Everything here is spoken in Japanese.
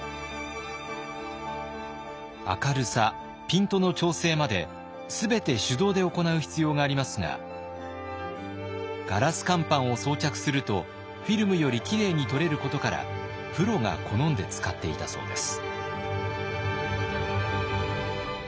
明るさピントの調整まで全て手動で行う必要がありますがガラス乾板を装着するとフィルムよりきれいに撮れることからプロが好んで使っていたそうです。